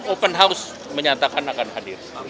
open house menyatakan akan hadir